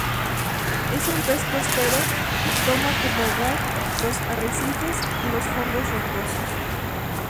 Es un pez costero, y toma como hogar los arrecifes y los fondos rocosos.